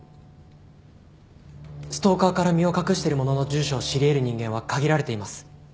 ストーカーから身を隠してる者の住所を知り得る人間は限られています。